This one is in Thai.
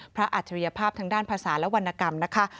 อัจฉริยภาพทางด้านภาษาและวรรณกรรมนะคะ